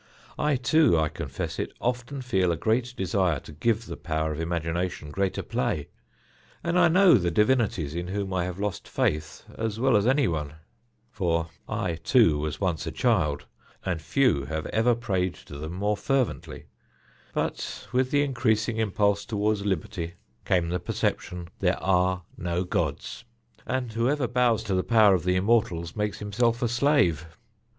I, too I confess it often feel a great desire to give the power of imagination greater play, and I know the divinities in whom I have lost faith as well as any one; for I, too, was once a child, and few have ever prayed to them more fervently, but with the increasing impulse toward liberty came the perception: There are no gods, and whoever bows to the power of the immortals makes himself a slave.